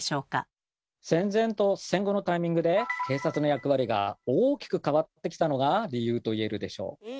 戦前と戦後のタイミングで警察の役割が大きく変わってきたのが理由と言えるでしょう。